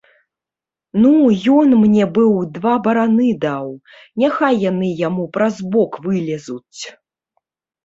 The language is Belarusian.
Ну, ён мне быў два бараны даў, няхай яны яму праз бок вылезуць.